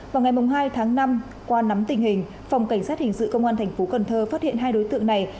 vào ngày hai tháng năm qua nắm tình hình phòng cảnh sát hình sự công an tp cn phát hiện hai đối tượng này